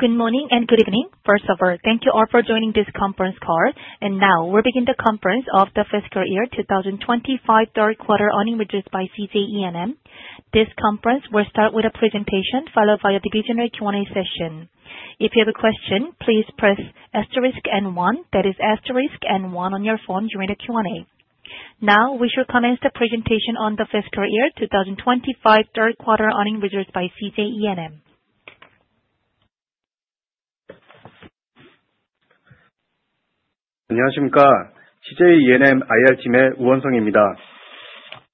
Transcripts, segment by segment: Good morning and good evening. First of all, thank you all for joining this conference call. Now, we're beginning the conference of the fiscal year 2025, third quarter earnings results by CJ ENM. This conference will start with a presentation followed by a Q&A session. If you have a question, please press asterisk and one, that is asterisk and one on your phone during the Q&A. Now, we shall commence the presentation on the fiscal year 2025, third quarter earnings results by CJ ENM. 안녕하십니까. CJ ENM IR팀의 우원성입니다.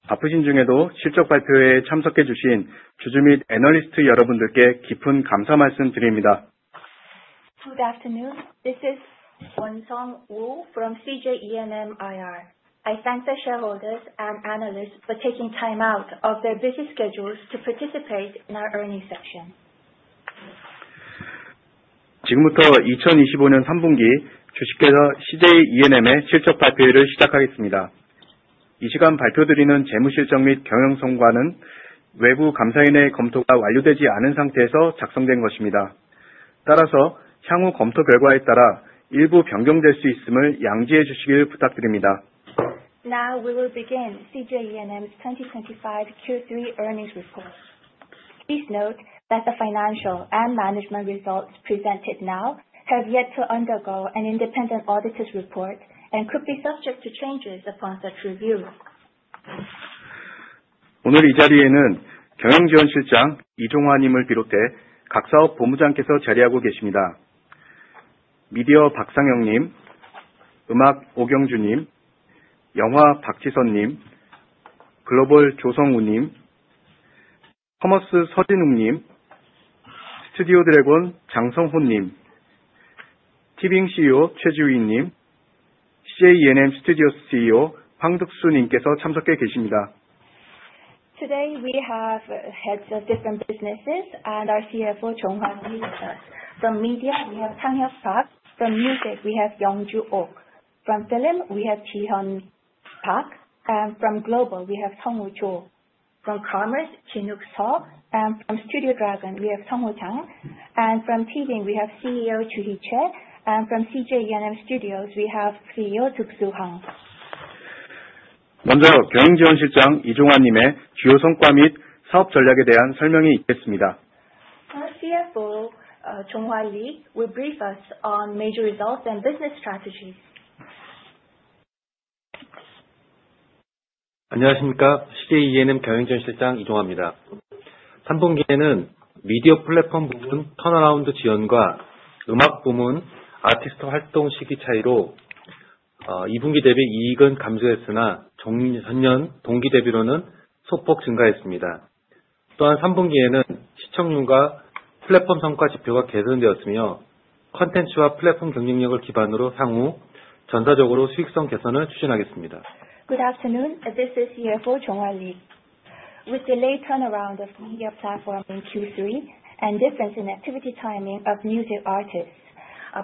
바쁘신 중에도 실적 발표회에 참석해 주신 주주 및 애널리스트 여러분들께 깊은 감사 말씀드립니다. Good afternoon. This is Wonseong Woo from CJ ENM IR. I thank the shareholders and analysts for taking time out of their busy schedules to participate in our earnings session. 지금부터 2025년 3분기 주식회사 CJ ENM의 실적 발표회를 시작하겠습니다. 이 시간 발표드리는 재무 실적 및 경영 성과는 외부 감사인의 검토가 완료되지 않은 상태에서 작성된 것입니다. 따라서 향후 검토 결과에 따라 일부 변경될 수 있음을 양지해 주시길 부탁드립니다. Now, we will begin CJ ENM's 2025 Q3 earnings report. Please note that the financial and management results presented now have yet to undergo an independent auditor's report and could be subject to changes upon such review. 오늘 이 자리에는 경영지원실장 이종환님을 비롯해 각 사업본부장께서 자리하고 계십니다. 미디어 박상영님, 음악 오경주님, 영화 박지선님, 글로벌 조성우님, 커머스 서진욱님, 스튜디오드래곤 장성호님, 티빙 CEO 최지휘님, CJ ENM 스튜디오 CEO 황득수님께서 참석해 계십니다. Today, we have heads of different businesses and our CFO, Cho Hwan-Yi with us. From media, we have Tang Hyuk Park. From music, we have Yongju Oak. From film, we have Ji Hyun Park. From global, we have Song Woo-cho. From commerce, Jin Wook Seo. From Studio Dragon, we have Song Woo-chang. From TV, we have CEO Choo Hee-chae. From CJ ENM Studios, we have CEO Tuk Soo-hang. 먼저 경영지원실장 이종환님의 주요 성과 및 사업 전략에 대한 설명이 있겠습니다. Our CFO, Cho Hwan-Yi, will brief us on major results and business strategies. 안녕하십니까. CJ ENM 경영지원실장 이종환입니다. 3분기에는 미디어 플랫폼 부문 턴어라운드 지원과 음악 부문 아티스트 활동 시기 차이로 2분기 대비 이익은 감소했으나, 전년 동기 대비로는 소폭 증가했습니다. 또한 3분기에는 시청률과 플랫폼 성과 지표가 개선되었으며, 콘텐츠와 플랫폼 경쟁력을 기반으로 향후 전사적으로 수익성 개선을 추진하겠습니다. Good afternoon. This is CFO Cho Hwan-Yi. With the late turnaround of media platform in Q3 and difference in activity timing of music artists,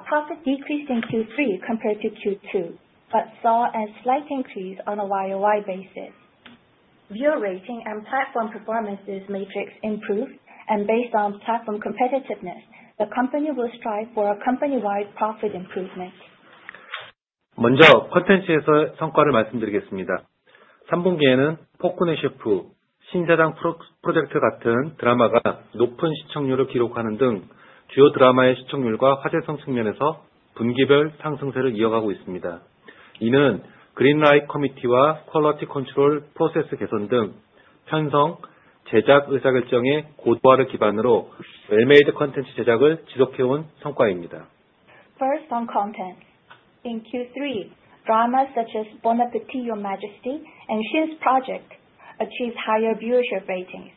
profit decreased in Q3 compared to Q2 but saw a slight increase on a YOY basis. Viewer rating and platform performance metrics improved, and based on platform competitiveness, the company will strive for company-wide profit improvement. 먼저 콘텐츠에서의 성과를 말씀드리겠습니다. 3분기에는 포크네 셰프, 신사장 프로젝트 같은 드라마가 높은 시청률을 기록하는 등 주요 드라마의 시청률과 화제성 측면에서 분기별 상승세를 이어가고 있습니다. 이는 그린라이트 커뮤니티와 퀄리티 컨트롤 프로세스 개선 등 편성, 제작 의사결정의 고도화를 기반으로 웰메이드 콘텐츠 제작을 지속해 온 성과입니다. First on content. In Q3, dramas such as Bon Appétit, Your Majesty, and She's Project achieved higher viewership ratings, continuing the quarterly upward trend in both viewership and buzz for major dramas. This is the result of consistently producing well-made content based on the ongoing enhancement of programming and production decision-making processes, such as the improvement of the Green Light Committee or GLC and Quality Control or QC processes.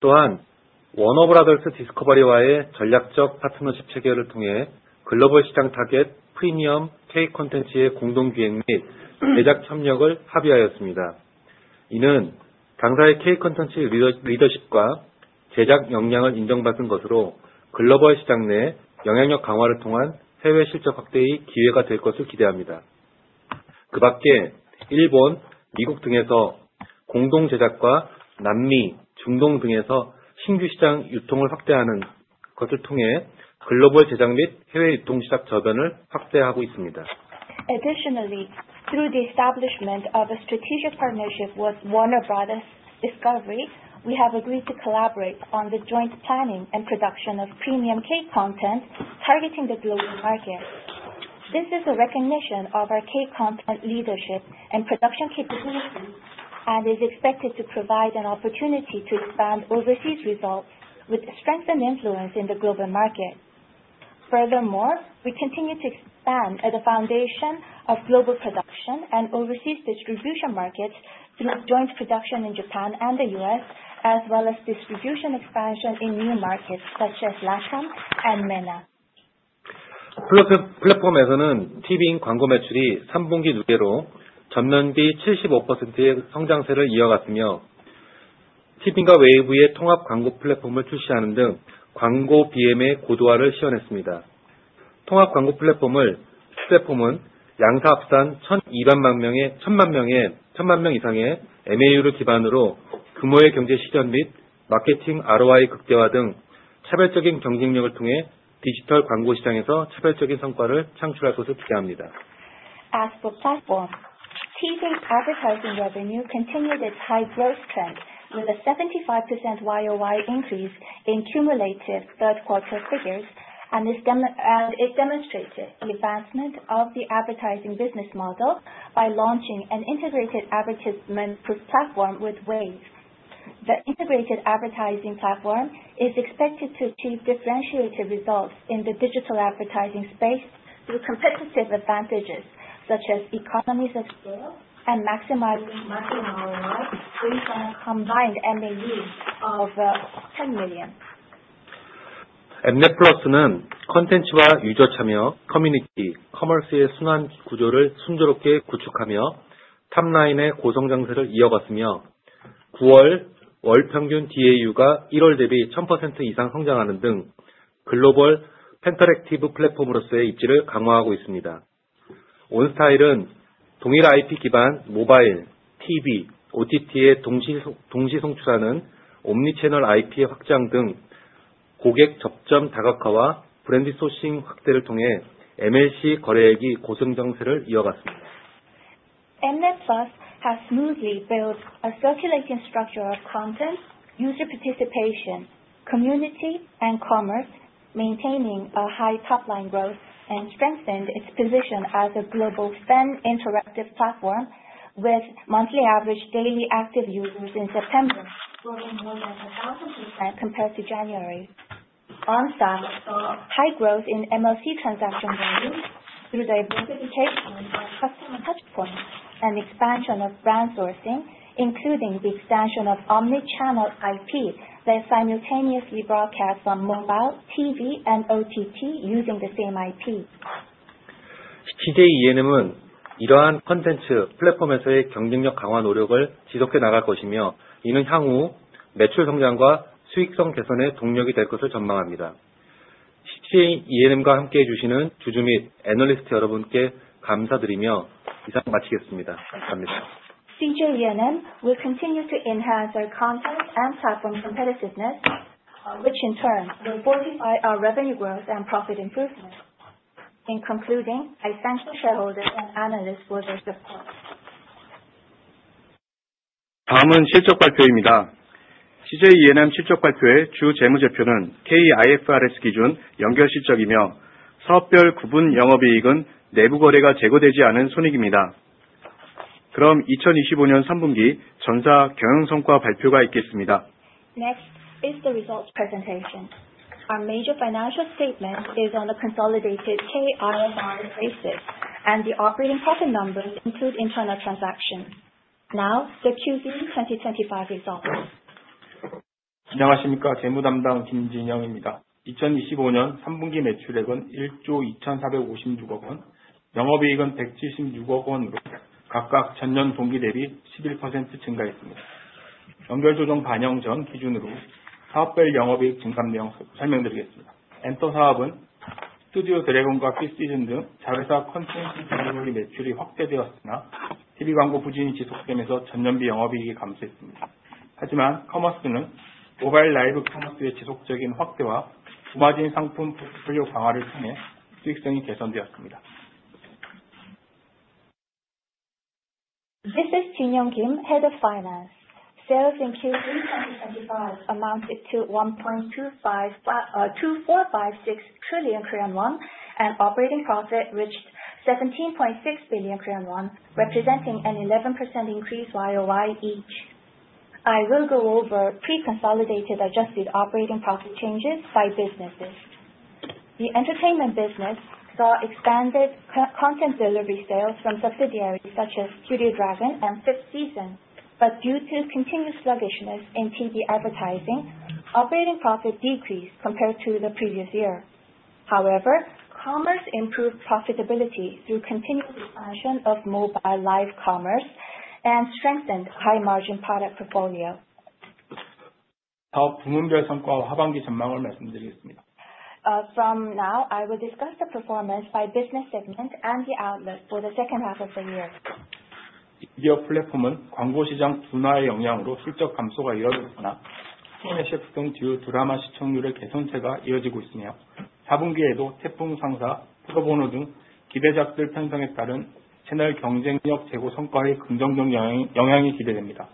또한, 워너브라더스 디스커버리와의 전략적 파트너십 체결을 통해 글로벌 시장 타겟 프리미엄 K-콘텐츠의 공동 기획 및 제작 협력을 합의하였습니다. 이는 당사의 K-콘텐츠 리더십과 제작 역량을 인정받은 것으로 글로벌 시장 내 영향력 강화를 통한 해외 실적 확대의 기회가 될 것으로 기대합니다. 그 밖에 일본, 미국 등에서 공동 제작과 남미, 중동 등에서 신규 시장 유통을 확대하는 것을 통해 글로벌 제작 및 해외 유통 시장 저변을 확대하고 있습니다. Additionally, through the establishment of a strategic partnership with Warner Bros. Discovery, we have agreed to collaborate on the joint planning and production of premium K-content targeting the global market. This is a recognition of our K-content leadership and production capabilities and is expected to provide an opportunity to expand overseas results with strengthened influence in the global market. Furthermore, we continue to expand at the foundation of global production and overseas distribution markets through joint production in Japan and the U.S., as well as distribution expansion in new markets such as LATAM and MENA. 플랫폼에서는 티빙 광고 매출이 3분기 누계로 전년비 75%의 성장세를 이어갔으며, 티빙과 웨이브의 통합 광고 플랫폼을 출시하는 등 광고 BM의 고도화를 시연했습니다. 통합 광고 플랫폼은 양사 합산 1,200만 명의 MAU를 기반으로 규모의 경제 실현 및 마케팅 ROI 극대화 등 차별적인 경쟁력을 통해 디지털 광고 시장에서 차별적인 성과를 창출할 것을 기대합니다. As for platform, TV advertising revenue continued its high growth trend with a 75% YOY increase in cumulative third quarter figures, and it demonstrated the advancement of the advertising business model by launching an integrated advertisement platform with Wave. The integrated advertising platform is expected to achieve differentiated results in the digital advertising space through competitive advantages such as economies of scale and maximizing marginal ROI through a combined MAU of 10 million. 엠넷플러스는 콘텐츠와 유저 참여, 커뮤니티, 커머스의 순환 구조를 순조롭게 구축하며 탑라인의 고성장세를 이어갔으며, 9월 월평균 DAU가 1월 대비 1,000% 이상 성장하는 등 글로벌 팬터랙티브 플랫폼으로서의 입지를 강화하고 있습니다. 온스타일은 동일 IP 기반 모바일, TV, OTT에 동시 송출하는 옴니채널 IP의 확장 등 고객 접점 다각화와 브랜디 소싱 확대를 통해 MLC 거래액이 고성장세를 이어갔습니다. Mnet Plus has smoothly built a circulating structure of content, user participation, community, and commerce, maintaining high top-line growth and strengthened its position as a global social interactive platform with monthly average daily active users in September growing more than 1,000% compared to January. OnStar saw high growth in MLC transaction volume through diversification of customer touchpoints and expansion of brand sourcing, including the expansion of omnichannel IP that simultaneously broadcasts on mobile, TV, and OTT using the same IP. CJ ENM은 이러한 콘텐츠 플랫폼에서의 경쟁력 강화 노력을 지속해 나갈 것이며, 이는 향후 매출 성장과 수익성 개선의 동력이 될 것으로 전망합니다. CJ ENM과 함께해 주시는 주주 및 애널리스트 여러분께 감사드리며 이상 마치겠습니다. 감사합니다. CJ ENM will continue to enhance our content and platform competitiveness, which in turn will fortify our revenue growth and profit improvement. In conclusion, I thank the shareholders and analysts for their support. 다음은 실적 발표입니다. CJ ENM 실적 발표의 주 재무제표는 KIFRS 기준 연결 실적이며, 사업별 구분 영업이익은 내부 거래가 제거되지 않은 손익입니다. 그럼 2024년 3분기 전사 경영성과 발표가 있겠습니다. Next is the results presentation. Our major financial statement is on the consolidated K-IFRS basis, and the operating profit numbers include internal transactions. Now, the Q3 2025 results. 안녕하십니까. 재무담당 김진영입니다. 2025년 3분기 매출액은 ₩1조 2,456억, 영업이익은 ₩176억으로 각각 전년 동기 대비 11% 증가했습니다. 연결 조정 반영 전 기준으로 사업별 영업이익 증감 내용 설명드리겠습니다. 엔터 사업은 스튜디오드래곤과 씨시즌 등 자회사 콘텐츠 분야의 매출이 확대되었으나, TV 광고 부진이 지속되면서 전년비 영업이익이 감소했습니다. 하지만 커머스는 모바일 라이브 커머스의 지속적인 확대와 고마진 상품 포트폴리오 강화를 통해 수익성이 개선되었습니다. This is Jin-Young Kim, Head of Finance. Sales in Q3 2025 amounted to ₩1.2456 trillion, and operating profit reached ₩17.6 billion, representing an 11% increase YOY each. I will go over pre-consolidated adjusted operating profit changes by businesses. The entertainment business saw expanded content delivery sales from subsidiaries such as Studio Dragon and Fifth Season, but due to continued sluggishness in TV advertising, operating profit decreased compared to the previous year. However, commerce improved profitability through continued expansion of mobile live commerce and strengthened high-margin product portfolio. 사업 부문별 성과와 하반기 전망을 말씀드리겠습니다. From now, I will discuss the performance by business segment and the outlook for the second half of the year. 미디어 플랫폼은 광고 시장 둔화의 영향으로 실적 감소가 이어졌으나, 포크네 셰프 등 주요 드라마 시청률의 개선세가 이어지고 있으며, 4분기에도 태풍 상사, 프로보노 등 기대작들 편성에 따른 채널 경쟁력 제고 성과의 긍정적 영향이 기대됩니다.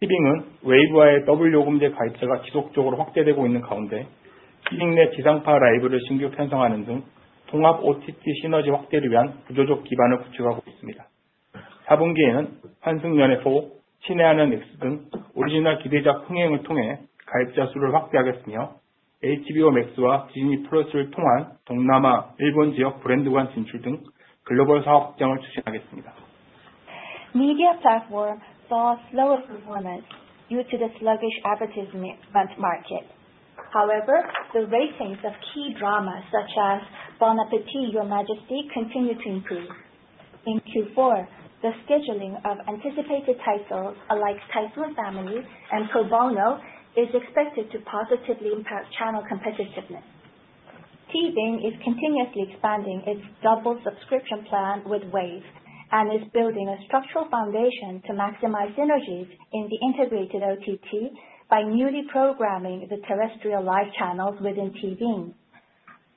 티빙은 웨이브와의 더블 요금제 가입자가 지속적으로 확대되고 있는 가운데, 티빙 내 지상파 라이브를 신규 편성하는 등 통합 OTT 시너지 확대를 위한 구조적 기반을 구축하고 있습니다. 4분기에는 환승연애4, 신의 하늘 맥스 등 오리지널 기대작 흥행을 통해 가입자 수를 확대하겠으며, HBO 맥스와 디즈니 플러스를 통한 동남아, 일본 지역 브랜드관 진출 등 글로벌 사업 확장을 추진하겠습니다. Media platform saw slower performance due to the sluggish advertisement market. However, the ratings of key dramas such as Bon Appétit, Your Majesty, continue to improve. In Q4, the scheduling of anticipated titles like Typhoon Family and Pro Bono is expected to positively impact channel competitiveness. TVing is continuously expanding its double subscription plan with Wave and is building a structural foundation to maximize synergies in the integrated OTT by newly programming the terrestrial live channels within TVing.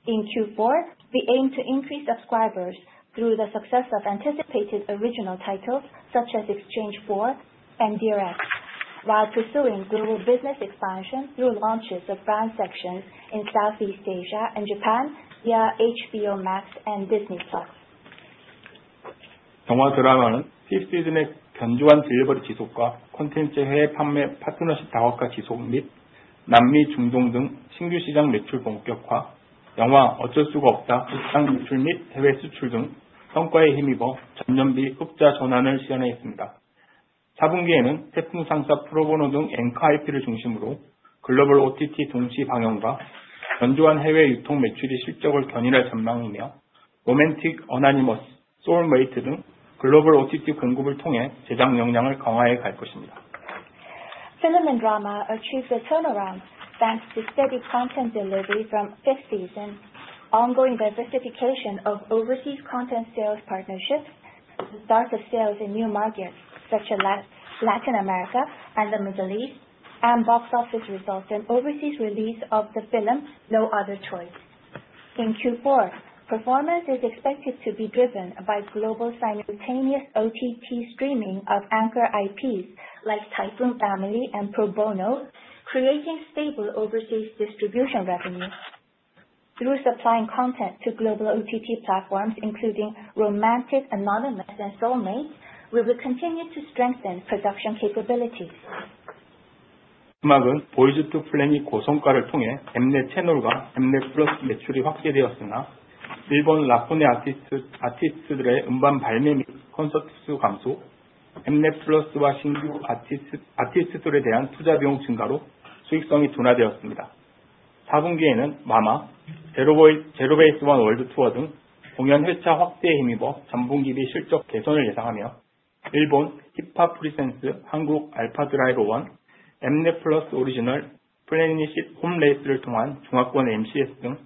In Q4, we aim to increase subscribers through the success of anticipated original titles such as Exchange 4 and DRX, while pursuing global business expansion through launches of brand sections in Southeast Asia and Japan via HBO Max and Disney Plus. 영화 드라마는 이번 시즌의 견조한 딜리버리 지속과 콘텐츠 해외 판매 파트너십 다각화 지속 및 남미, 중동 등 신규 시장 매출 본격화, 영화 '어쩔 수가 없다' 극장 개봉 및 해외 수출 등 성과에 힘입어 전년 대비 흑자 전환을 시현하였습니다. 4분기에는 '태풍 상사', '프로보노' 등 앵커 IP를 중심으로 글로벌 OTT 동시 방영과 견조한 해외 유통 매출이 실적을 견인할 전망이며, '로맨틱 어나니머스', '소울메이트' 등 글로벌 OTT 공급을 통해 제작 역량을 강화해 갈 것입니다. Phenomen drama achieved a turnaround thanks to steady content delivery from Fifth Season, ongoing diversification of overseas content sales partnerships, the start of sales in new markets such as Latin America and the Middle East, and box office results and overseas release of the film No Other Choice. In Q4, performance is expected to be driven by global simultaneous OTT streaming of anchor IPs like Typhoon Family and Pro Bono, creating stable overseas distribution revenue. Through supplying content to global OTT platforms including Romantic, Anonymous, and Soulmate, we will continue to strengthen production capabilities. 음악은 보이즈 투 플래닛 고성과를 통해 엠넷 채널과 엠넷플러스 매출이 확대되었으나, 일본 라쿠텐 아티스트들의 음반 발매 및 콘서트 수 감소, 엠넷플러스와 신규 아티스트들에 대한 투자 비용 증가로 수익성이 둔화되었습니다. 4분기에는 MAMA, 제로베이스원 월드투어 등 공연 회차 확대에 힘입어 전분기 대비 실적 개선을 예상하며, 일본 힙합 프리젠스, 한국 알파 드라이브 1, 엠넷플러스 오리지널, 플래닛 홈 레이스를 통한 중화권 MCS 등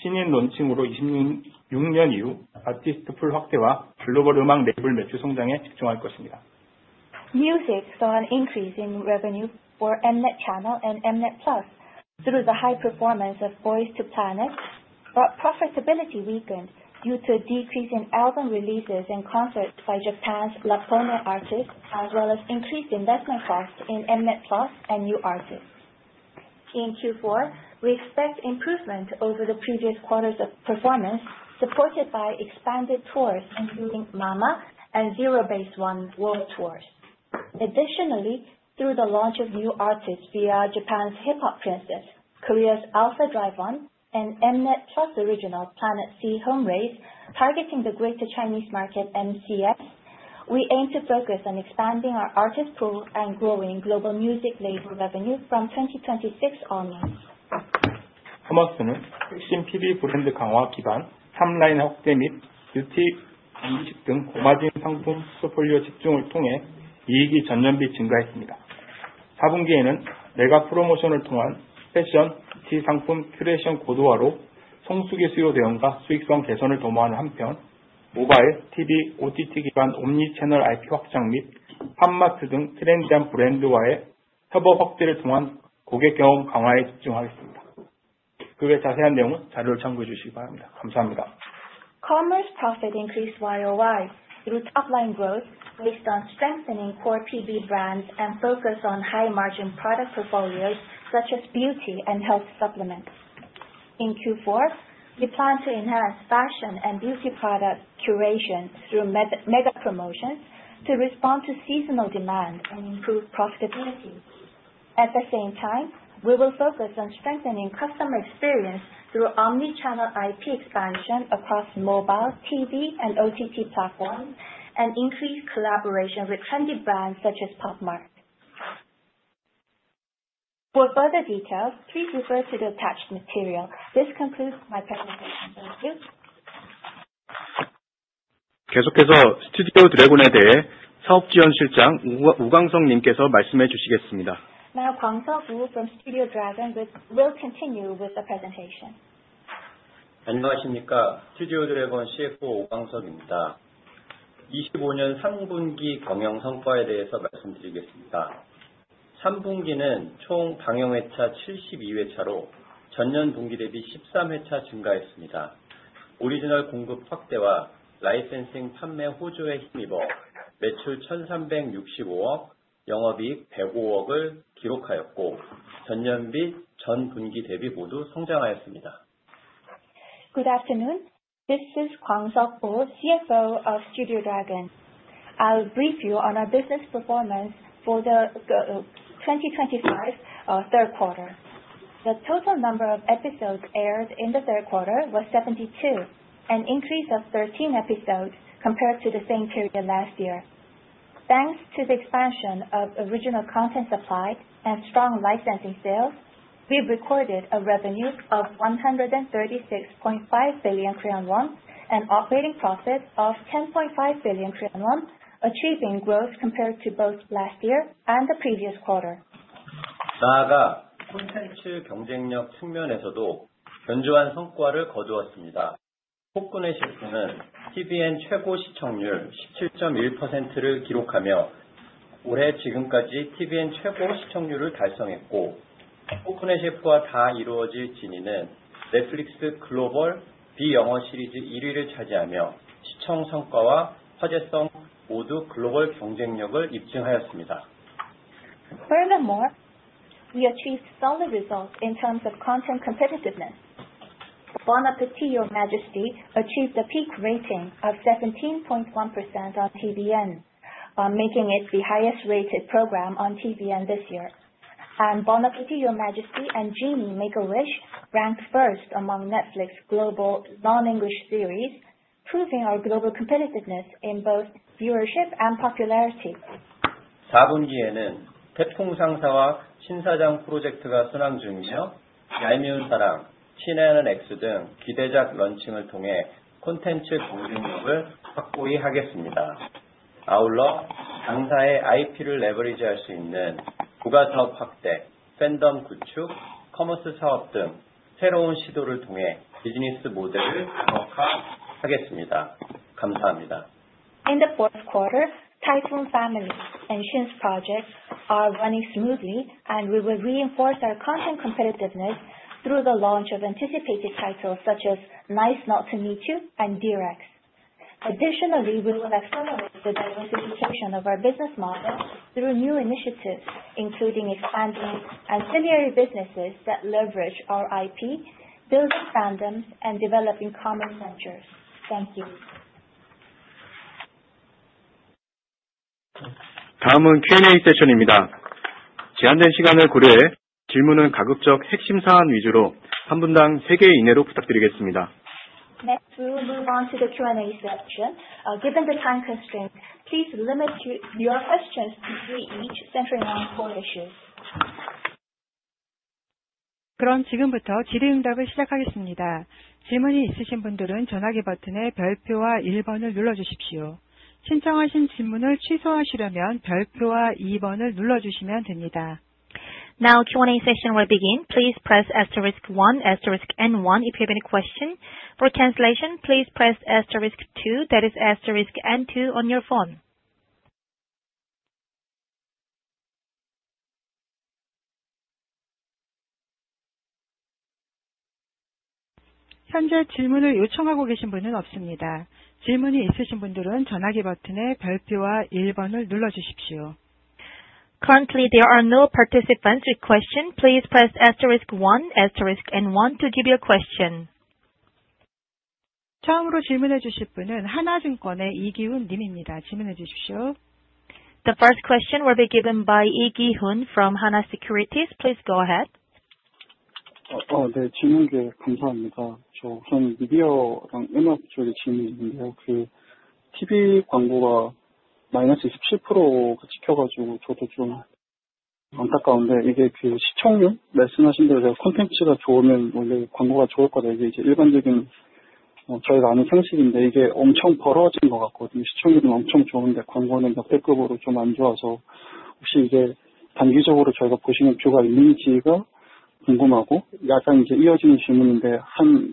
신인 론칭으로 2026년 이후 아티스트 풀 확대와 글로벌 음악 레이블 매출 성장에 집중할 것입니다. Music saw an increase in revenue for Mnet Channel and Mnet Plus through the high performance of Boys Planet, but profitability weakened due to a decrease in album releases and concerts by Japan's LDH artists, as well as increased investment costs in Mnet Plus and new artists. In Q4, we expect improvement over the previous quarter's performance, supported by expanded tours including MAMA and ZEROBASEONE World Tours. Additionally, through the launch of new artists via Japan's Hip Hop Princess, Korea's Girls Planet, and Mnet Plus original content targeting the greater Chinese market, we aim to focus on expanding our artist pool and growing global music label revenue from 2025 onwards. 커머스는 핵심 TV 브랜드 강화 기반 탑라인 확대 및 뷰티, 음식 등 고마진 상품 포트폴리오 집중을 통해 이익이 전년비 증가했습니다. 4분기에는 메가 프로모션을 통한 패션, 뷰티 상품 큐레이션 고도화로 성수기 수요 대응과 수익성 개선을 도모하는 한편, 모바일, TV, OTT 기반 옴니채널 IP 확장 및 팝마트 등 트렌디한 브랜드와의 협업 확대를 통한 고객 경험 강화에 집중하겠습니다. 그외 자세한 내용은 자료를 참고해 주시기 바랍니다. 감사합니다. Commerce profit increased YOY through top-line growth based on strengthening core TV brands and focus on high-margin product portfolios such as beauty and health supplements. In Q4, we plan to enhance fashion and beauty product curation through mega promotions to respond to seasonal demand and improve profitability. At the same time, we will focus on strengthening customer experience through omnichannel IP expansion across mobile, TV, and OTT platforms and increase collaboration with trendy brands such as Pop Mart. For further details, please refer to the attached material. This concludes my presentation. Thank you. 계속해서 스튜디오드래곤에 대해 사업 지원 실장 우광석 님께서 말씀해 주시겠습니다. Now, Kwangseok Wu from Studio Dragon will continue with the presentation. 안녕하십니까. 스튜디오드래곤 CFO 우광석입니다. 2025년 3분기 경영성과에 대해서 말씀드리겠습니다. 3분기는 총 방영 회차 72회차로 전년 동기 대비 13회차 증가했습니다. 오리지널 공급 확대와 라이센싱 판매 호조에 힘입어 매출 1,365억 원, 영업이익 105억 원을 기록하였고, 전년 대비, 전분기 대비 모두 성장하였습니다. Good afternoon. This is Kwangseok Wu, CFO of Studio Dragon. I'll brief you on our business performance for the third quarter of 2025. The total number of episodes aired in the third quarter was 72, an increase of 13 episodes compared to the same period last year. Thanks to the expansion of original content supplied and strong licensing sales, we recorded a revenue of ₩136.5 billion and operating profit of ₩10.5 billion, achieving growth compared to both last year and the previous quarter. 나아가 콘텐츠 경쟁력 측면에서도 견조한 성과를 거두었습니다. 포크네 셰프는 tvN 최고 시청률 17.1%를 기록하며 올해 지금까지 tvN 최고 시청률을 달성했고, 포크네 셰프와 다 이루어질 진의는 넷플릭스 글로벌 비영어 시리즈 1위를 차지하며 시청 성과와 화제성 모두 글로벌 경쟁력을 입증하였습니다. Furthermore, we achieved solid results in terms of content competitiveness. Bon Appétit, Your Majesty achieved a peak rating of 17.1% on tvN, making it the highest-rated program on tvN this year. Bon Appétit, Your Majesty and Jinny's Kitchen ranked first among Netflix global non-English series, proving our global competitiveness in both viewership and popularity. 4분기에는 태풍상사와 신사장 프로젝트가 순항 중이며, 얄미운 사랑, 신의 하늘 X 등 기대작 론칭을 통해 콘텐츠 경쟁력을 확고히 하겠습니다. 아울러 당사의 IP를 레버리지할 수 있는 부가사업 확대, 팬덤 구축, 커머스 사업 등 새로운 시도를 통해 비즈니스 모델을 다각화하겠습니다. 감사합니다. In the fourth quarter, Typhoon Family and Shin's projects are running smoothly, and we will reinforce our content competitiveness through the launch of anticipated titles such as Nice Not to Meet You and DRX. Additionally, we will accelerate the diversification of our business model through new initiatives, including expanding ancillary businesses that leverage our IP, building fandoms, and developing common ventures. Thank you. 다음은 Q&A 세션입니다. 제한된 시간을 고려해 질문은 가급적 핵심 사안 위주로 3분당 3개 이내로 부탁드리겠습니다. Next, we will move on to the Q&A section. Given the time constraints, please limit your questions to three each, centering on core issues. 그럼 지금부터 질의응답을 시작하겠습니다. 질문이 있으신 분들은 전화기 버튼의 별표와 1번을 눌러주십시오. 신청하신 질문을 취소하시려면 별표와 2번을 눌러주시면 됩니다. Now, Q&A session will begin. Please press asterisk 1, asterisk N1 if you have any question. For translation, please press asterisk 2, that is asterisk N2 on your phone. 현재 질문을 요청하고 계신 분은 없습니다. 질문이 있으신 분들은 전화기 버튼의 별표와 1번을 눌러주십시오. Currently, there are no participants with questions. Please press asterisk 1 to give your question. 처음으로 질문해 주실 분은 하나증권의 이기훈 님입니다. 질문해 주십시오. The first question will be given by Lee Gi-hun from Hana Securities. Please go ahead. 네, 질문 감사합니다. 저는 미디어랑 음악 쪽에 질문이 있는데요. TV 광고가 마이너스 27% 찍혀가지고 저도 좀 안타까운데, 이게 시청률 말씀하신 대로 콘텐츠가 좋으면 원래 광고가 좋을 거다. 이게 일반적인 저희가 아는 상식인데, 이게 엄청 벌어진 것 같거든요. 시청률은 엄청 좋은데 광고는 역대급으로 좀안 좋아서 혹시 이게 단기적으로 저희가 보시는 뷰가 있는지가 궁금하고, 약간 이어지는 질문인데,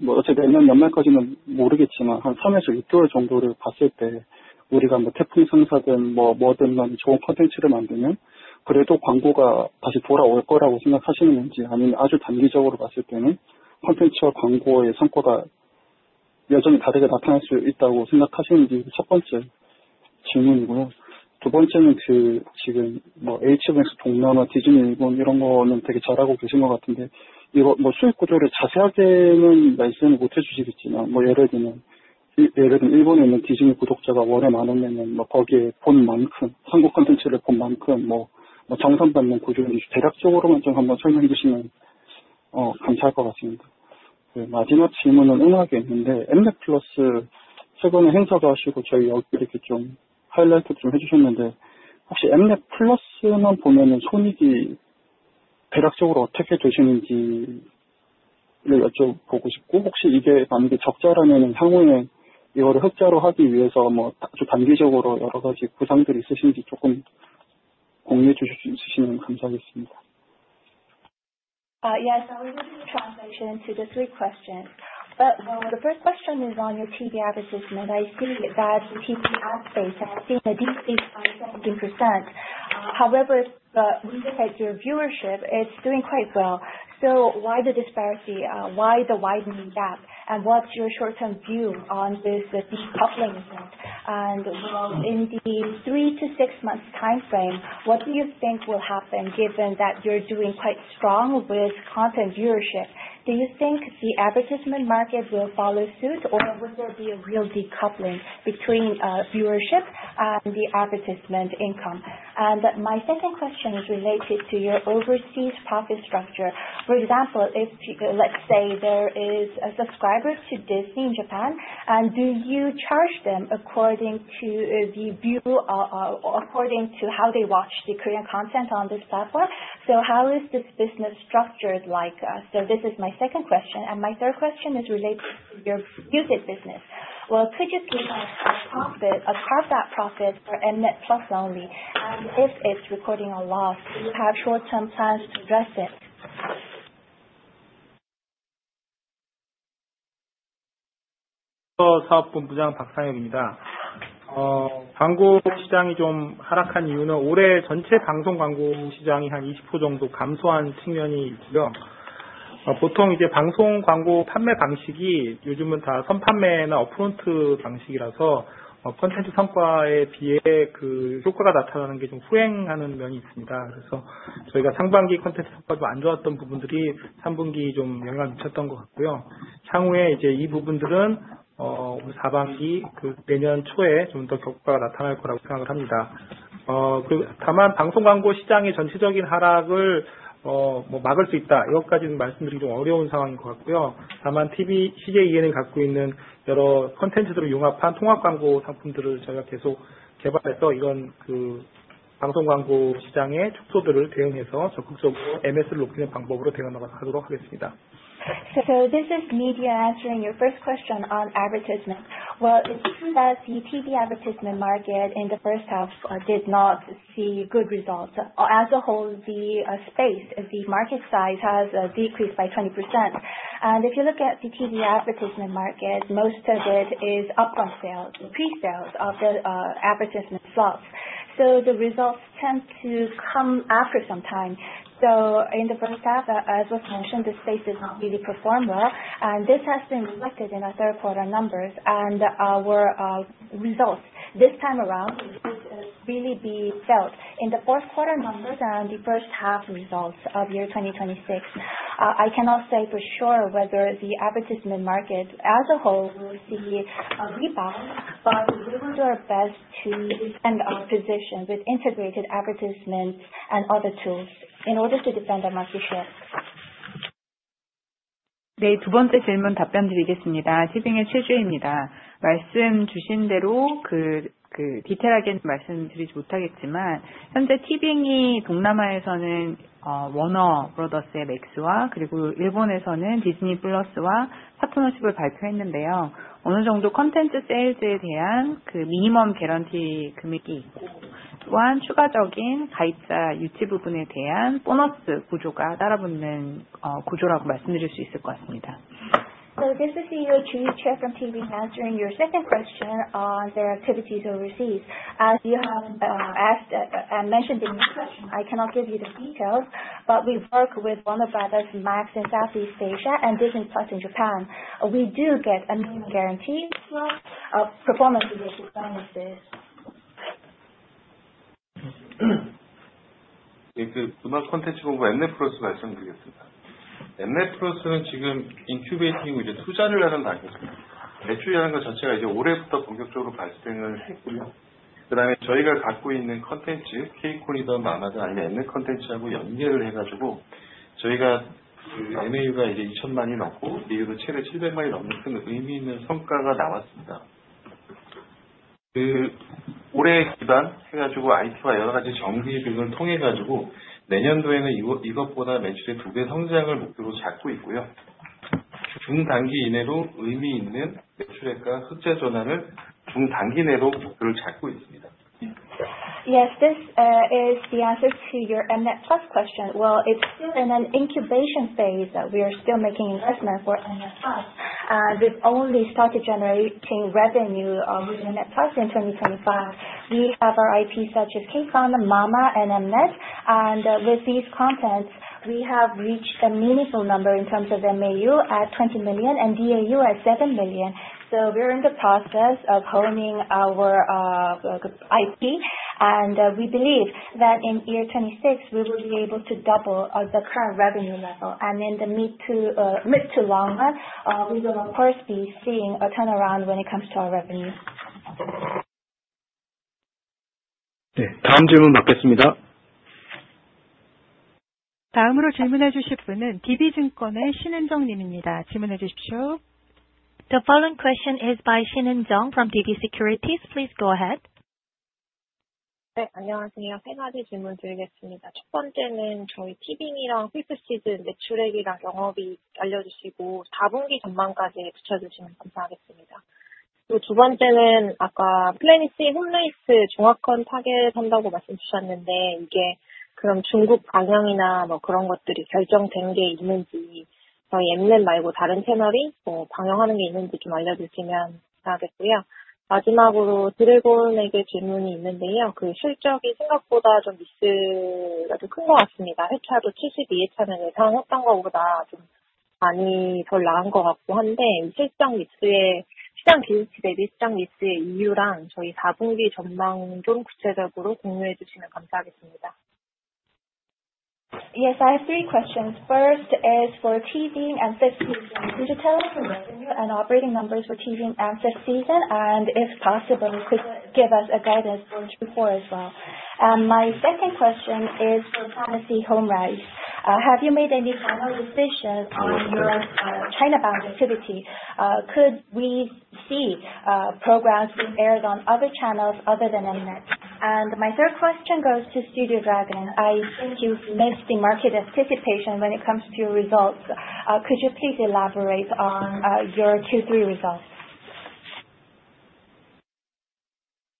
어쨌든 내년 연말까지는 모르겠지만 3에서 6개월 정도를 봤을 때 우리가 태풍 상사든 뭐든 좋은 콘텐츠를 만들면 그래도 광고가 다시 돌아올 거라고 생각하시는지, 아니면 아주 단기적으로 봤을 때는 콘텐츠와 광고의 성과가 여전히 다르게 나타날 수 있다고 생각하시는지가 첫 번째 질문이고요. 두 번째는 지금 HBO Max 동남아, 디즈니 일본 이런 거는 되게 잘하고 계신 것 같은데, 이거 수익 구조를 자세하게는 말씀을 못 해주시겠지만, 예를 들면 일본에 있는 디즈니 구독자가 월에 만원 내면 거기에 본 만큼, 한국 콘텐츠를 본 만큼 정산받는 구조는 대략적으로만 좀 한번 설명해 주시면 감사할 것 같습니다. 마지막 질문은 음악이었는데, 엠넷플러스 최근에 행사도 하시고 저희 이렇게 좀 하이라이트도 좀 해주셨는데, 혹시 엠넷플러스만 보면 손익이 대략적으로 어떻게 되시는지를 여쭤보고 싶고, 혹시 이게 만약에 적자라면 향후에 이거를 흑자로 하기 위해서 아주 단기적으로 여러 가지 구상들이 있으신지 조금 공유해 주실 수 있으시면 감사하겠습니다. Yes, I will do the translation to the three questions. The first question is on your TV advertisement. I see that the TV ad space has seen a deep decline of 17%. However, we look at your viewership, it's doing quite well. So why the disparity, why the widening gap, and what's your short-term view on this decoupling effect? In the three to six months timeframe, what do you think will happen given that you're doing quite strong with content viewership? Do you think the advertisement market will follow suit, or would there be a real decoupling between viewership and the advertisement income? My second question is related to your overseas profit structure. For example, let's say there is a subscriber to Disney in Japan, and do you charge them according to the view, according to how they watch the Korean content on this platform? So how is this business structured? So this is my second question. My third question is related to your music business. Could you see profit across that profit for Mnet Plus only? If it's recording a loss, do you have short-term plans to address it? 사업본부장 박상혁입니다. 광고 시장이 하락한 이유는 올해 전체 방송 광고 시장이 20% 정도 감소한 측면이 있고요. 보통 방송 광고 판매 방식이 요즘은 다 선판매나 업프론트 방식이라서 콘텐츠 성과에 비해 효과가 나타나는 게 후행하는 면이 있습니다. 저희가 상반기 콘텐츠 성과가 안 좋았던 부분들이 3분기에 영향을 미쳤던 것 같고요. 향후에 이 부분들은 올 4분기, 내년 초에 더 효과가 나타날 거라고 생각을 합니다. 다만 방송 광고 시장의 전체적인 하락을 막을 수 있다, 이것까지는 말씀드리기 어려운 상황인 것 같고요. 다만 CJ ENM이 갖고 있는 여러 콘텐츠들을 융합한 통합 광고 상품들을 저희가 계속 개발해서 이런 방송 광고 시장의 축소들을 대응해서 적극적으로 MS를 높이는 방법으로 대응하도록 하겠습니다. This is Mia answering your first question on advertisement. It seems that the TV advertisement market in the first half did not see good results. As a whole, the market size has decreased by 20%. If you look at the TV advertisement market, most of it is upfront sales, pre-sales of the advertisement slots. The results tend to come after some time. In the first half, as was mentioned, the space did not really perform well. This has been reflected in our third quarter numbers and our results. This time around, it should really be felt. In the fourth quarter numbers and the first half results of year 2026, I cannot say for sure whether the advertisement market as a whole will see a rebound, but we will do our best to defend our position with integrated advertisements and other tools in order to defend our market share. 네, 두 번째 질문 답변 드리겠습니다. 티빙의 최주혜입니다. 말씀 주신 대로 디테일하게는 말씀드리지 못하겠지만, 현재 티빙이 동남아에서는 워너브라더스의 맥스와 그리고 일본에서는 디즈니 플러스와 파트너십을 발표했는데요. 어느 정도 콘텐츠 세일즈에 대한 미니멈 개런티 금액이 있고, 또한 추가적인 가입자 유치 부분에 대한 보너스 구조가 따라붙는 구조라고 말씀드릴 수 있을 것 같습니다. This is your Jin Che from TV now answering your second question on their activities overseas. As you have asked and mentioned in your question, I cannot give you the details, but we work with Warner Bros, Max in Southeast Asia, and Disney Plus in Japan. We do get a minimum guarantee of performance-related bonuses. 이제 음악 콘텐츠 부분 엠넷플러스 말씀드리겠습니다. 엠넷플러스는 지금 인큐베이팅, 투자를 하는 방식입니다. 매출이라는 것 자체가 올해부터 본격적으로 발생했고요. 그다음에 저희가 갖고 있는 콘텐츠, 케이콘이든 만화든 아니면 엠넷 콘텐츠하고 연계해서 저희가 MAU가 2천만이 넘고 이후로 최대 700만이 넘는 큰 의미 있는 성과가 나왔습니다. 올해 기반으로 해서 IP와 여러 가지 정기 등을 통해서 내년도에는 이것보다 매출의 두배 성장을 목표로 잡고 있고요. 중단기 이내로 의미 있는 매출액과 흑자 전환을 중단기 내로 목표를 잡고 있습니다. Yes, this is the answer to your Mnet Plus question. Well, it's still in an incubation phase. We are still making investment for Mnet Plus. We've only started generating revenue with Mnet Plus in 2025. We have our IPs such as KCON, manga, and Mnet. And with these contents, we have reached a meaningful number in terms of MAU at 20 million and DAU at 7 million. So we're in the process of honing our IP. And we believe that in year 2026, we will be able to double the current revenue level. And in the mid to long run, we will, of course, be seeing a turnaround when it comes to our revenue. 다음 질문 받겠습니다. 다음으로 질문해 주실 분은 DB증권의 신은정 님입니다. 질문해 주십시오. The following question is by Shin Eun-jeong from DB Securities. Please go ahead. 네, 안녕하세요. 세 가지 질문 드리겠습니다. 첫 번째는 저희 티빙이랑 홀프시즌 매출액이랑 영업이익 알려주시고 4분기 전망까지 붙여주시면 감사하겠습니다. 그리고 두 번째는 아까 플래닛의 홈레이스 종합권 타겟 한다고 말씀주셨는데 이게 그럼 중국 방영이나 그런 것들이 결정된 게 있는지 저희 엠넷 말고 다른 채널이 방영하는 게 있는지 좀 알려주시면 감사하겠고요. 마지막으로 드래곤에게 질문이 있는데요. 실적이 생각보다 좀 미스가 좀큰것 같습니다. 회차도 72회차는 예상했던 것보다 좀 많이 덜 나간 것 같고 한데 실적 미스의 시장 비중 대비 시장 미스의 이유랑 저희 4분기 전망 좀 구체적으로 공유해 주시면 감사하겠습니다. Yes, I have three questions. First is for TV and fifth season. Could you tell us your revenue and operating numbers for TV and fifth season? If possible, could you give us guidance for Q4 as well? My second question is for Fantasy Home Rights. Have you made any final decisions on your China-bound activity? Could we see programs being aired on other channels other than Mnet? My third question goes to Studio Dragon. I think you've missed the market anticipation when it comes to results. Could you please elaborate on your Q3 results?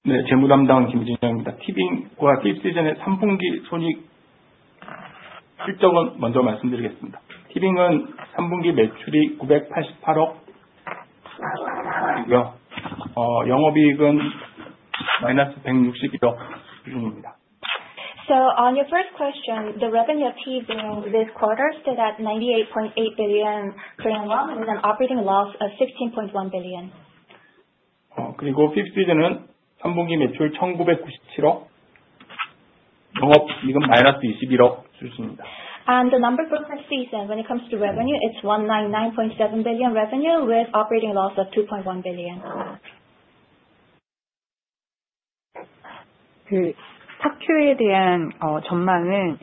네, 재무담당 김진영입니다. 티빙과 티빗 시즌의 3분기 손익 실적을 먼저 말씀드리겠습니다. 티빙은 3분기 매출이 ₩988억이고요. 영업이익은 마이너스 ₩161억 수준입니다. On your first question, the revenue of TV this quarter stood at ₩98.8 billion with an operating loss of ₩16.1 billion. 그리고 티빗 시즌은 3분기 매출 1,997억원, 영업이익은 마이너스 21억원 수준입니다. The number for fifth season when it comes to revenue, it's $199.7 billion revenue with operating loss of $2.1 billion. 탑큐에 대한 전망은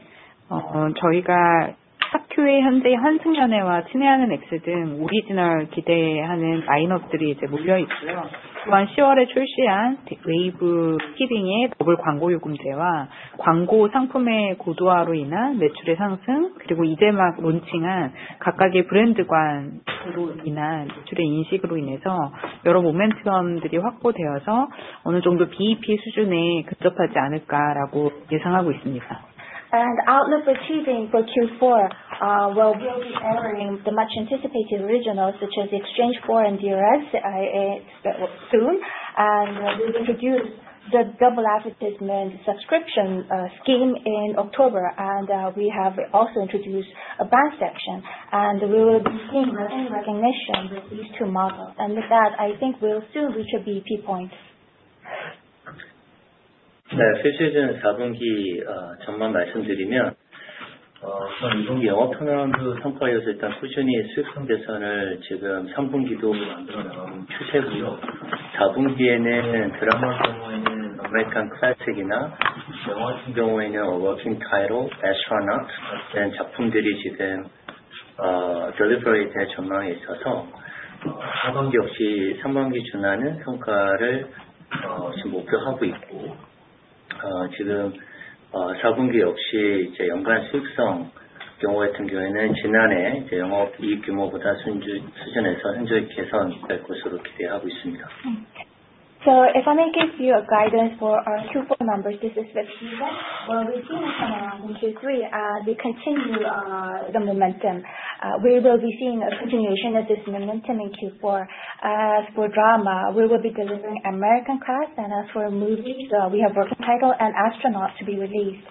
저희가 탑큐의 현재 환승연애와 친해하는 엑스 등 오리지널 기대하는 라인업들이 몰려있고요. 또한 10월에 출시한 웨이브 티빙의 더블 광고 요금제와 광고 상품의 고도화로 인한 매출의 상승, 그리고 이제 막 론칭한 각각의 브랜드관으로 인한 매출의 인식으로 인해서 여러 모멘텀들이 확보되어서 어느 정도 BEP 수준에 근접하지 않을까라고 예상하고 있습니다. Outlook for TV for Q4: we'll be airing the much anticipated regionals such as Exchange 4 and DRS soon. We'll introduce the double advertisement subscription scheme in October. We have also introduced a band section. We will be seeing revenue recognition with these two models. With that, I think we'll soon reach a BEP point. 네, 티빗 시즌 4분기 전망 말씀드리면 우선 2분기 영업 현황도 참고하셔서 일단 꾸준히 수익성 개선을 지금 3분기도 만들어 나가고 있는 추세고요. 4분기에는 드라마 같은 경우에는 아메리칸 클래식이나 영화 같은 경우에는 어워킹 타이틀, 애스트로넛 같은 작품들이 지금 딜리버리 될 전망이 있어서 하반기 역시 3분기에 준하는 성과를 지금 목표하고 있고 지금 4분기 역시 연간 수익성 경우 같은 경우에는 지난해 영업 이익 규모보다 수준에서 현저히 개선될 것으로 기대하고 있습니다. If I may give you guidance for our Q4 numbers, this is with TV. We've seen a turnaround in Q3. We continue the momentum. We will be seeing a continuation of this momentum in Q4. As for drama, we will be delivering American class. As for movies, we have working title and astronaut to be released.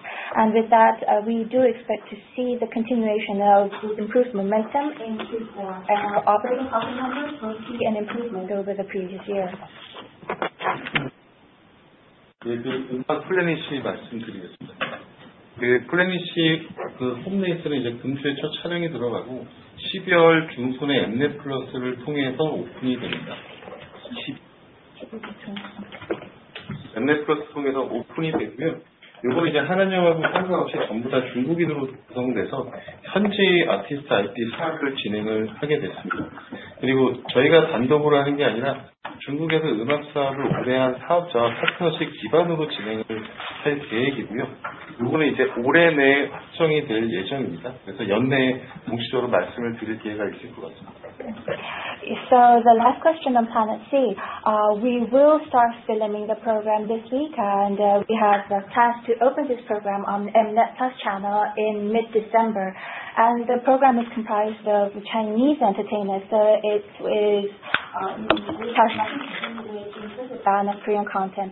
With that, we do expect to see the continuation of this improved momentum in Q4. Our operating profit numbers will see an improvement over the previous year. 일단 플래닛 씨 말씀드리겠습니다. 플래닛 씨 홈레이스는 금주에 첫 촬영이 들어가고 12월 중순에 엠넷플러스를 통해서 오픈이 됩니다. 엠넷플러스 통해서 오픈이 되고요. 이거는 한한 영화국 상관없이 전부 다 중국인으로 구성돼서 현지 아티스트 IP 수락을 진행을 하게 됐습니다. 그리고 저희가 단독으로 하는 게 아니라 중국에서 음악 사업을 오래 한 사업자와 파트너십 기반으로 진행을 할 계획이고요. 이거는 올해 내에 확정이 될 예정입니다. 그래서 연내에 공식적으로 말씀을 드릴 기회가 있을 것 같습니다. The last question on Fantasy. We will start filming the program this week. We have a task to open this program on 엠넷플러스 채널 in mid-December. The program is comprised of Chinese entertainers. It will be targeted to do with inclusive ban of Korean content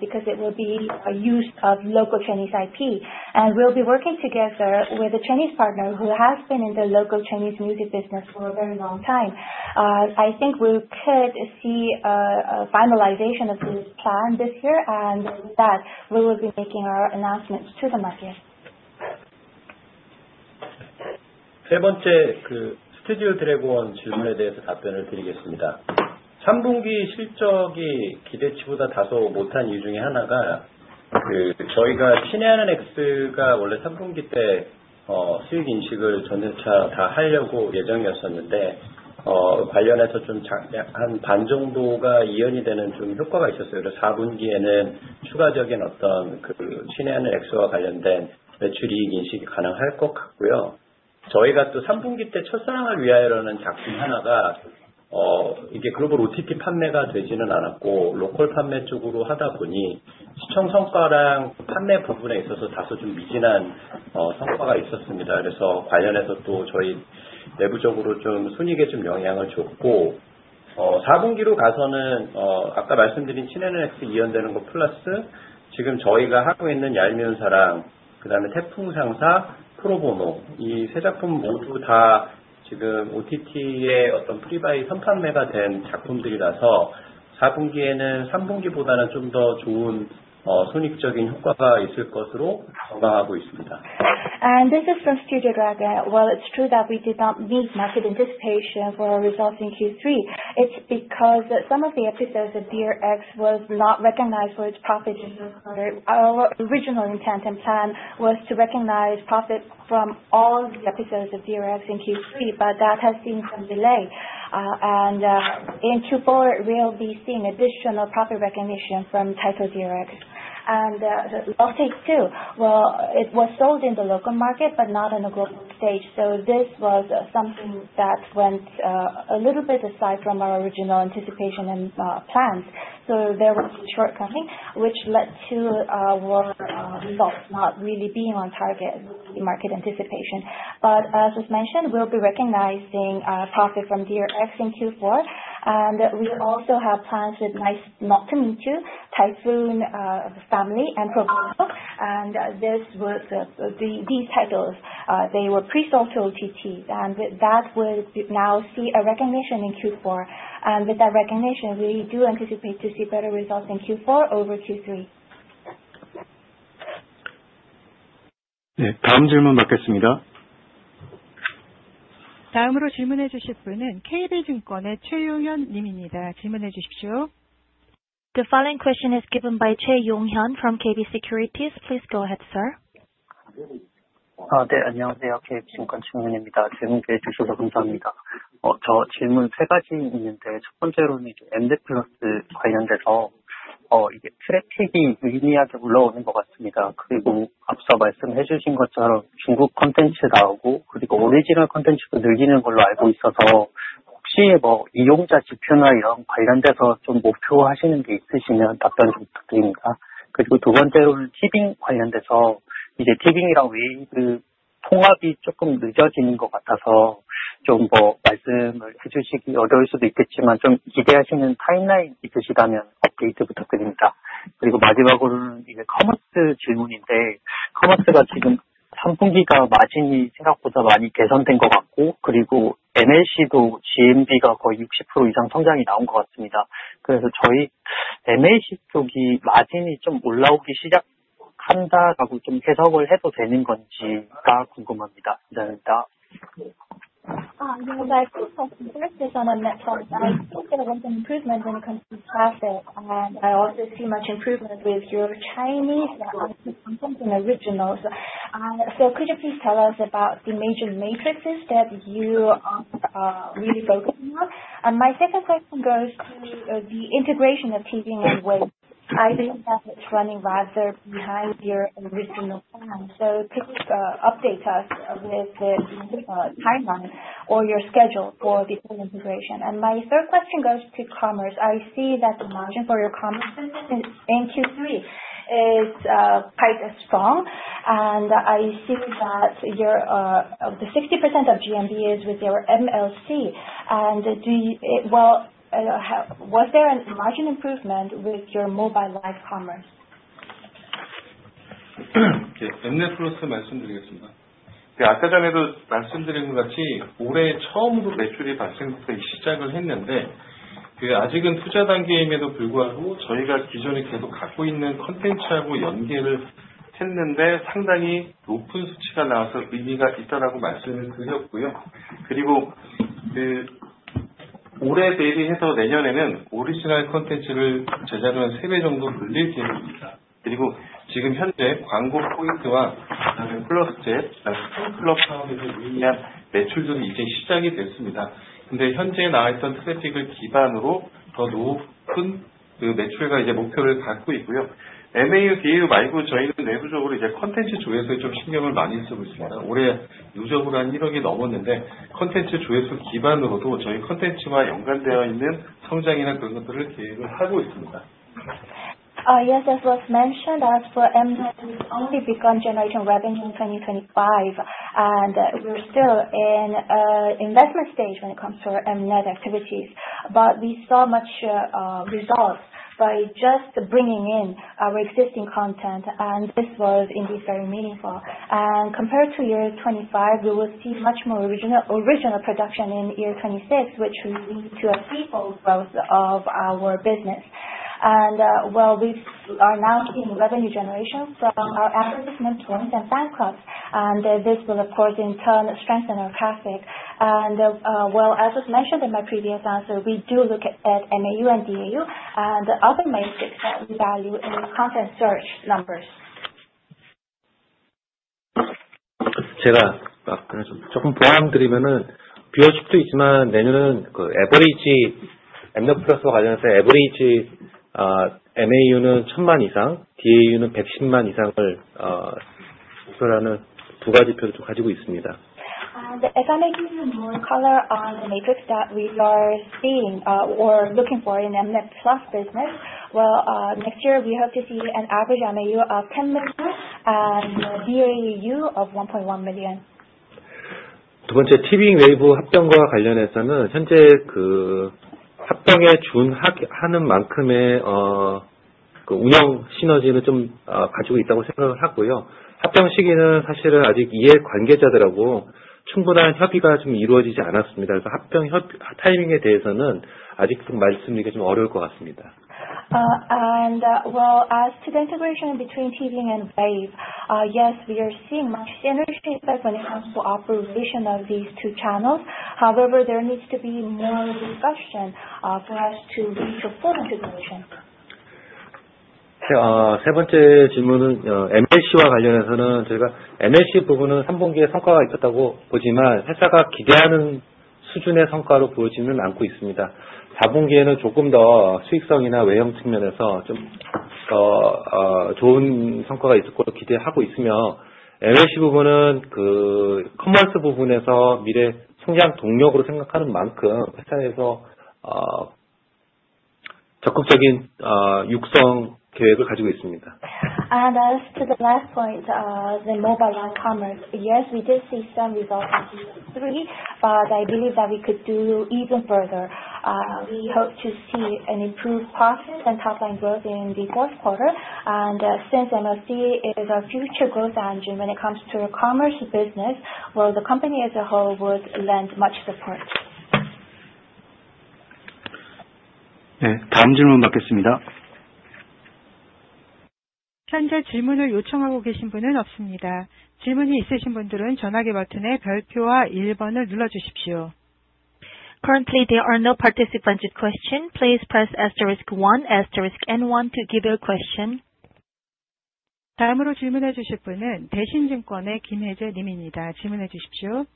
because it will be used of local Chinese IP. We'll be working together with a Chinese partner who has been in the local Chinese music business for a very long time. I think we could see a finalization of this plan this year. With that, we will be making our announcements to the market. 세 번째 Studio Dragon 질문에 대해서 답변을 드리겠습니다. 3분기 실적이 기대치보다 다소 못한 이유 중에 하나가 저희가 친해하는 X가 원래 3분기 때 수익 인식을 전 회차 다 하려고 예정이었었는데 관련해서 좀한반 정도가 이연이 되는 효과가 있었어요. 그래서 4분기에는 추가적인 친해하는 X와 관련된 매출 이익 인식이 가능할 것 같고요. 저희가 또 3분기 때첫 상황을 위하여라는 작품 하나가 이게 글로벌 OTT 판매가 되지는 않았고 로컬 판매 쪽으로 하다 보니 시청 성과랑 판매 부분에 있어서 다소 좀 미진한 성과가 있었습니다. 그래서 관련해서 또 저희 내부적으로 좀 손익에 좀 영향을 줬고 4분기로 가서는 아까 말씀드린 친해하는 X 이연되는 거 플러스 지금 저희가 하고 있는 얄미운 사랑, 그다음에 태풍 상사, 프로 보노 이세 작품 모두 다 지금 OTT의 프리바이 선판매가 된 작품들이라서 4분기에는 3분기보다는 좀더 좋은 손익적인 효과가 있을 것으로 전망하고 있습니다. This is from Studio Dragon. It's true that we did not meet market anticipation for our results in Q3. It's because some of the episodes of DRX was not recognized for its profits. Our original intent and plan was to recognize profits from all the episodes of DRX in Q3, but that has seen some delay. In Q4, we'll be seeing additional profit recognition from title DRX. Offtake too was sold in the local market but not on a global stage. This was something that went a little bit aside from our original anticipation and plans. There was a shortcoming, which led to our results not really being on target with the market anticipation. But as was mentioned, we'll be recognizing profits from DRX in Q4. We also have plans with Nice Not to Meet You, Typhoon Family, and Pro Bono. These titles were pre-sold to OTT. With that, we'll now see a recognition in Q4. With that recognition, we do anticipate to see better results in Q4 over Q3. 네, 다음 질문 받겠습니다. 다음으로 질문해 주실 분은 KB증권의 최용현 님입니다. 질문해 주십시오. The following question is given by Choi Yong-hyun from KB Securities. Please go ahead, sir. 네, 안녕하세요. KB증권 최용현입니다. 질문해 주셔서 감사합니다. 질문 세 가지 있는데 첫 번째로는 엠넷플러스 관련돼서 이게 트래픽이 의미있게 올라오는 것 같습니다. 그리고 앞서 말씀해 주신 것처럼 중국 콘텐츠 나오고 그리고 오리지널 콘텐츠도 늘리는 걸로 알고 있어서 혹시 이용자 지표나 이런 관련돼서 목표하시는 게 있으시면 답변 부탁드립니다. 그리고 두 번째로는 티빙 관련돼서 이제 티빙이랑 웨이브 통합이 조금 늦어지는 것 같아서 말씀을 해 주시기 어려울 수도 있겠지만 기대하시는 타임라인 있으시다면 업데이트 부탁드립니다. 그리고 마지막으로는 커머스 질문인데 커머스가 지금 3분기가 마진이 생각보다 많이 개선된 것 같고 그리고 MLC도 GMV가 거의 60% 이상 성장이 나온 것 같습니다. 그래서 MLC 쪽이 마진이 올라오기 시작한다고 해석을 해도 되는 건지가 궁금합니다. 감사합니다. Yes, I also saw some progress on Mnet Plus. I think there was an improvement when it comes to traffic. I also see much improvement with your Chinese content and originals. Could you please tell us about the major metrics that you are really focusing on? My second question goes to the integration of TV and web. I think that it's running rather behind your original plan. Please update us with the timeline or your schedule for the full integration. My third question goes to commerce. I see that the margin for your commerce in Q3 is quite strong. I see that 60% of GMV is with your MLC. Was there a margin improvement with your mobile live commerce? 엠넷플러스 말씀드리겠습니다. 아까 전에도 말씀드린 것 같이 올해 처음으로 매출이 발생부터 시작을 했는데 아직은 투자 단계임에도 불구하고 저희가 기존에 계속 갖고 있는 콘텐츠하고 연계를 했는데 상당히 높은 수치가 나와서 의미가 있다라고 말씀을 드렸고요. 그리고 올해 대비해서 내년에는 오리지널 콘텐츠를 제작을 한 3배 정도 늘릴 계획입니다. 그리고 지금 현재 광고 포인트와 그다음에 플러스젯, 스핀클럽 사업에서 유의미한 매출들이 시작이 됐습니다. 현재 나와 있던 트래픽을 기반으로 더 높은 매출과 목표를 갖고 있고요. MAU, DAU 말고 저희는 내부적으로 콘텐츠 조회수에 신경을 많이 쓰고 있습니다. 올해 누적으로 한 1억이 넘었는데 콘텐츠 조회수 기반으로도 저희 콘텐츠와 연관되어 있는 성장이나 그런 것들을 계획을 하고 있습니다. As was mentioned, as for Mnet, we've only begun generating revenue in 2025. We're still in an investment stage when it comes to our Mnet activities. But we saw much results by just bringing in our existing content, and this was indeed very meaningful. Compared to 2025, we will see much more original production in 2026, which will lead to a three-fold growth of our business. We are now seeing revenue generation from our advertisement points and band cuts, and this will, of course, in turn strengthen our traffic. As was mentioned in my previous answer, we do look at MAU and DAU. The other matrix that we value is content search numbers. 제가 조금 보완드리면 비교할 수도 있지만 내년은 Mnet Plus와 관련해서 평균 MAU는 1,000만 이상, DAU는 110만 이상을 목표로 하는 두 가지 표를 가지고 있습니다. As I mentioned in more detail on the metrics that we are seeing or looking for in Mnet Plus business, well, next year we hope to see an average MAU of 10 million and DAU of 1.1 million. 두 번째 티빙, 웨이브 합병과 관련해서는 현재 합병에 준하는 만큼의 운영 시너지는 가지고 있다고 생각하고요. 합병 시기는 사실은 아직 이해 관계자들하고 충분한 협의가 이루어지지 않았습니다. 그래서 합병 타이밍에 대해서는 아직 말씀드리기가 어려울 것 같습니다. As to the integration between TV and Wave, yes, we are seeing much synergy when it comes to operation of these two channels. However, there needs to be more discussion for us to reach a full integration. 세 번째 질문은 MLC와 관련해서는 저희가 MLC 부분은 3분기에 성과가 있었다고 보지만 회사가 기대하는 수준의 성과로 보여지지는 않고 있습니다. 4분기에는 조금 더 수익성이나 외형 측면에서 좀더 좋은 성과가 있을 거라고 기대하고 있으며, MLC 부분은 커머스 부분에서 미래 성장 동력으로 생각하는 만큼 회사에서 적극적인 육성 계획을 가지고 있습니다. As to the last point, the mobile live commerce, yes, we did see some results in Q3, but I believe that we could do even further. We hope to see an improved profit and top-line growth in the fourth quarter. Since MLC is a future growth engine when it comes to commerce business, the company as a whole would lend much support. 네, 다음 질문 받겠습니다. 현재 질문을 요청하고 계신 분은 없습니다. 질문이 있으신 분들은 전화기 버튼의 별표와 1번을 눌러주십시오. Currently, there are no participants with questions. Please press asterisk 1 to give your question. 다음으로 질문해 주실 분은 대신증권의 김혜재 님입니다. 질문해 주십시오.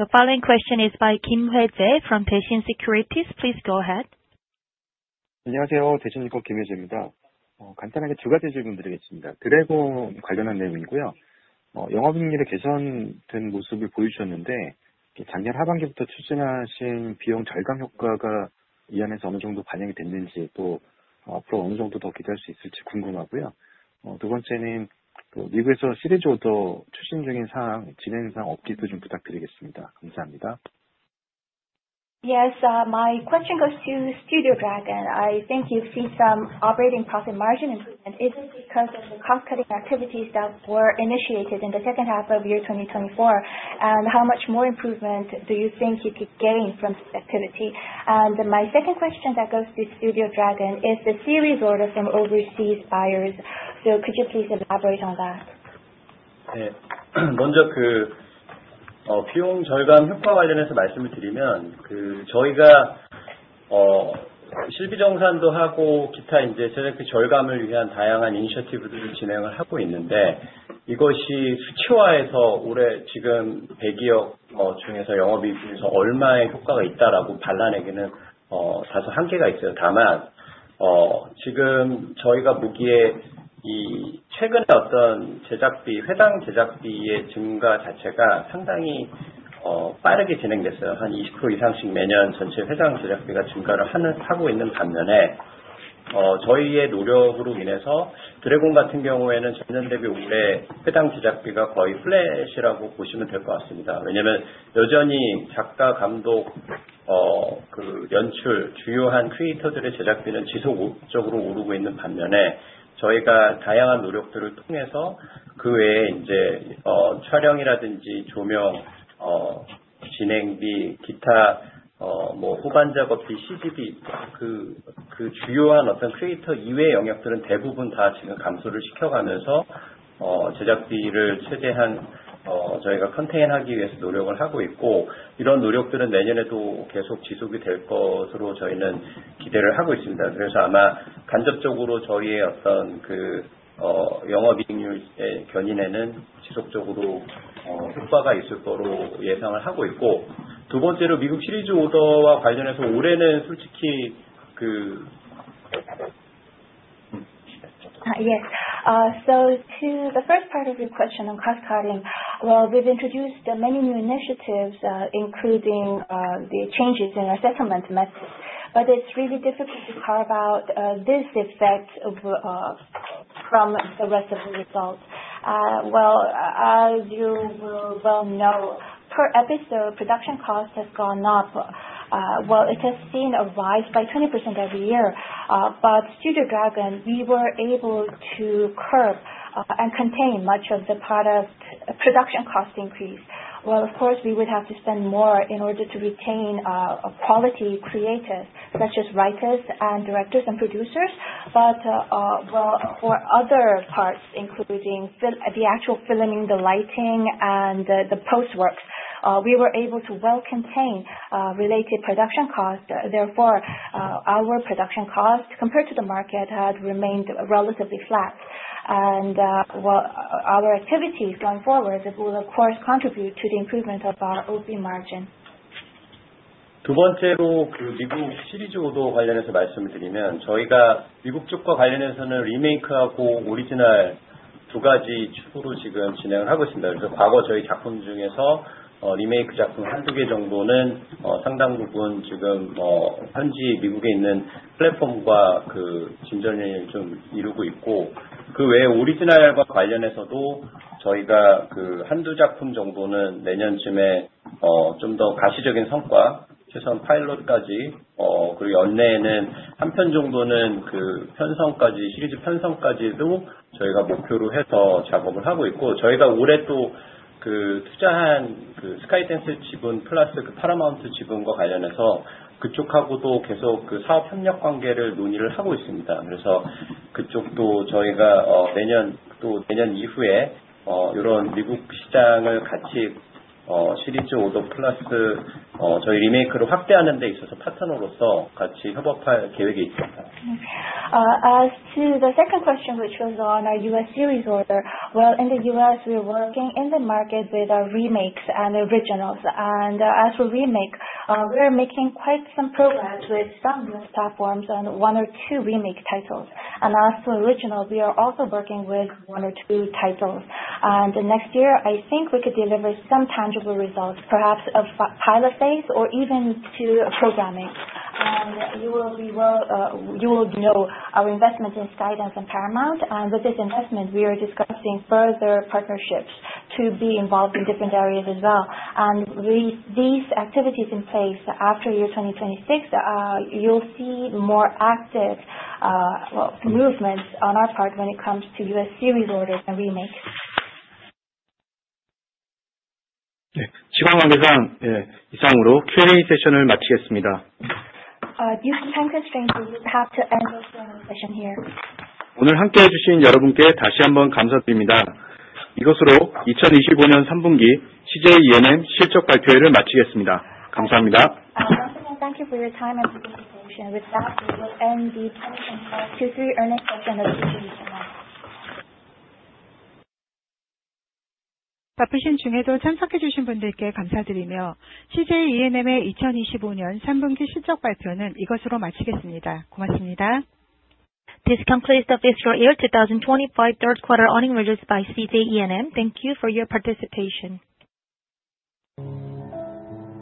The following question is by Kim Hyejae from Daeshin Securities. Please go ahead. 안녕하세요. 대신증권 김혜재입니다. 간단하게 두 가지 질문 드리겠습니다. 드래곤 관련한 내용이고요. 영업 능률이 개선된 모습을 보여주셨는데, 작년 하반기부터 추진하신 비용 절감 효과가 이 안에서 어느 정도 반영이 됐는지, 또 앞으로 어느 정도 더 기대할 수 있을지 궁금하고요. 두 번째는 미국에서 시리즈 오더 추진 중인 사항 진행 사항 업데이트 좀 부탁드리겠습니다. 감사합니다. Yes, my question goes to Studio Dragon. I think you've seen some operating profit margin improvement. Is it because of the cost-cutting activities that were initiated in the second half of 2024? How much more improvement do you think you could gain from this activity? My second question that goes to Studio Dragon is the series order from overseas buyers. So could you please elaborate on that? 먼저 비용 절감 효과 관련해서 말씀을 드리면 저희가 실비 정산도 하고 기타 저희가 절감을 위한 다양한 이니셔티브들을 진행을 하고 있는데 이것이 수치화해서 올해 지금 100여억 중에서 영업 이익 중에서 얼마의 효과가 있다라고 발라내기는 다소 한계가 있어요. 다만 지금 저희가 보기에 최근에 제작비, 회당 제작비의 증가 자체가 상당히 빠르게 진행됐어요. 한 20% 이상씩 매년 전체 회당 제작비가 증가를 하고 있는 반면에 저희의 노력으로 인해서 드래곤 같은 경우에는 전년 대비 올해 회당 제작비가 거의 플랫이라고 보시면 될것 같습니다. 왜냐하면 여전히 작가, 감독, 연출, 주요한 크리에이터들의 제작비는 지속적으로 오르고 있는 반면에 저희가 다양한 노력들을 통해서 그 외에 촬영이라든지 조명, 진행비, 기타 후반 작업비, CG비, 그 주요한 크리에이터 이외의 영역들은 대부분 다 지금 감소를 시켜가면서 제작비를 최대한 저희가 컨테인하기 위해서 노력을 하고 있고 이런 노력들은 내년에도 계속 지속이 될 것으로 저희는 기대를 하고 있습니다. 그래서 아마 간접적으로 저희의 영업 이익률의 견인에는 지속적으로 효과가 있을 거로 예상을 하고 있고 두 번째로 미국 시리즈 오더와 관련해서 올해는 솔직히 그렇습니다. Yes. To the first part of your question on cost-cutting, we've introduced many new initiatives including the changes in our settlement methods. But it's really difficult to carve out this effect from the rest of the results. As you will know, per episode, production cost has gone up. It has seen a rise by 20% every year. But Studio Dragon, we were able to curb and contain much of the production cost increase. Of course, we would have to spend more in order to retain quality creators such as writers and directors and producers. But for other parts, including the actual filming, the lighting, and the post works, we were able to contain related production costs. Therefore, our production cost compared to the market had remained relatively flat. Our activities going forward will, of course, contribute to the improvement of our OP margin. 두 번째로 미국 시리즈 오더와 관련해서 말씀을 드리면 저희가 미국 쪽과 관련해서는 리메이크하고 오리지널 두 가지 축으로 지금 진행을 하고 있습니다. 과거 저희 작품 중에서 리메이크 작품 한두 개 정도는 상당 부분 지금 현지 미국에 있는 플랫폼과 진전을 좀 이루고 있고, 그 외에 오리지널과 관련해서도 저희가 한두 작품 정도는 내년쯤에 좀더 가시적인 성과, 최소한 파일럿까지 그리고 연내에는 한편 정도는 편성까지, 시리즈 편성까지도 저희가 목표로 해서 작업을 하고 있고 저희가 올해 또 투자한 스카이 댄스 지분 플러스 파라마운트 지분과 관련해서 그쪽하고도 계속 사업 협력 관계를 논의를 하고 있습니다. 그쪽도 저희가 내년 이후에 이런 미국 시장을 같이 시리즈 오더 플러스 저희 리메이크를 확대하는 데 있어서 파트너로서 같이 협업할 계획에 있습니다. As to the second question, which was on our US series order, well, in the US, we're working in the market with our remakes and originals. As for remake, we're making quite some progress with some US platforms on one or two remake titles. As for original, we are also working with one or two titles. Next year, I think we could deliver some tangible results, perhaps a pilot phase or even to programming. You will know our investment in Sky Dance and Paramount. With this investment, we are discussing further partnerships to be involved in different areas as well. With these activities in place after year 2026, you'll see more active movements on our part when it comes to US series orders and remakes. 시간 관계상 이상으로 Q&A 세션을 마치겠습니다. Due to time constraints, we will have to end the Q&A session here. 오늘 함께해 주신 여러분께 다시 한번 감사드립니다. 이것으로 2025년 3분기 CJ E&M 실적 발표회를 마치겠습니다. 감사합니다. Thank you for your time and participation. With that, we will end the 2025 Q3 earnings session of CJ E&M. 발표실 중에도 참석해 주신 분들께 감사드리며 CJ E&M의 2025년 3분기 실적 발표는 이것으로 마치겠습니다. 고맙습니다. This concludes the fiscal year 2025 third quarter earnings release by CJ E&M. Thank you for your participation.